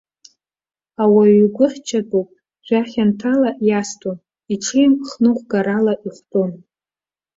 Ауаҩ игәы хьчатәуп, жәахьанҭала иастәым, иҽеим хныҟәгарала ихәтәым.